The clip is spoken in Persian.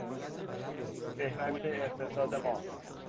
بهبود اقتصاد ما